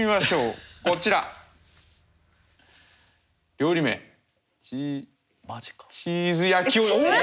料理名チーズ焼きおっ！